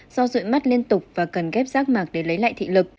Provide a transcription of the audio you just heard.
do rụi mắt liên tục và cần ghép rác mạc để lấy lại thị lực